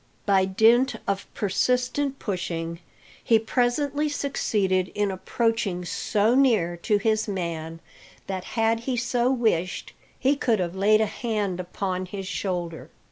By dint of persistent pushing, he presently succeeded in approaching so near to his man that, had he so wished, he could have laid a hand upon his shoulder.